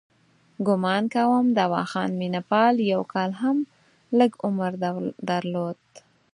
ګومان کوم دواخان مینه پال یو کال هم لږ عمر درلود.